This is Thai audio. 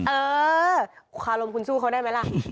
เออคารมคุณสู้เขาได้ไหมล่ะ